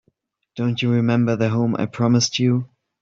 Don't you remember the home I promised you?